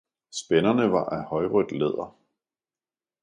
Spænderne var af højrødt læder.